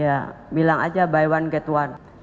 ya bilang aja buy one get one